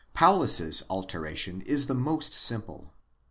Paulus's alteration is. the most simple.